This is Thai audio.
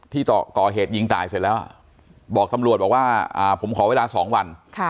ที่ก่อเหตุยิงตายเสร็จแล้วบอกตำรวจบอกว่าผมขอเวลา๒วัน